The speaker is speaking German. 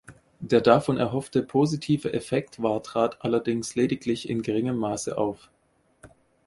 Der davon erhoffte positive Effekt war trat allerdings lediglich in geringem Maße auf.